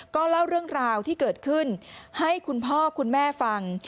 ก็เล่าเรื่องราวที่เกิดขึ้นให้คุณพ่อคุณแม่ฟัง